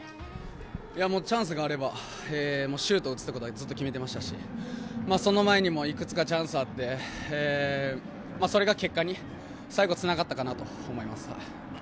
チャンスがあればシュートを打つということをずっと決めていましたしその前にもいくつかチャンスがあってそれが結果に最後つながったかなと思います。